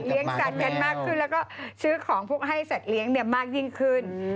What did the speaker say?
สัตว์กันมากขึ้นแล้วก็ซื้อของพวกให้สัตว์เลี้ยงมากยิ่งขึ้น